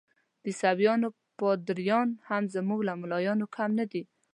د عیسویانو پادریان هم زموږ له ملایانو کم نه دي.